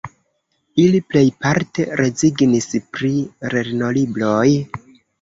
Ili plejparte rezignis pri lernolibroj.